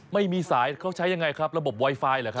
ไม่มีสายเขาใช้ยังไงครับระบบไวไฟเหรอครับ